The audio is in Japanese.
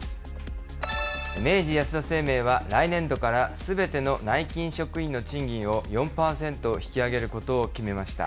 明治安田生命は、来年度からすべての内勤職員の賃金を４％引き上げることを決めました。